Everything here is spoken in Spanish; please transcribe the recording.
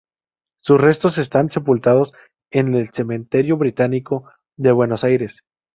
Sus restos están sepultados en el Cementerio Británico de Buenos Aires.